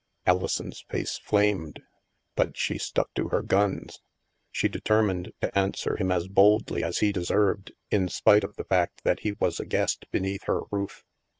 Alison's face flamed. But she stuck to her guns. She determined to answer him as boldly as he de served, in spite of the fact that he was a guest be neath her roof.